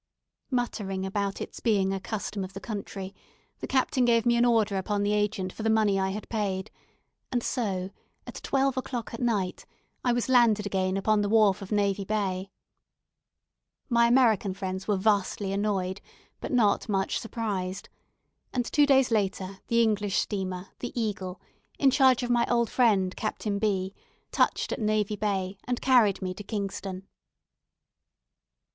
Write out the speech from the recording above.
Muttering about its being a custom of the country, the captain gave me an order upon the agent for the money I had paid; and so, at twelve o'clock at night, I was landed again upon the wharf of Navy Bay. My American friends were vastly annoyed, but not much surprised; and two days later, the English steamer, the "Eagle," in charge of my old friend, Captain B , touched at Navy Bay, and carried me to Kingston.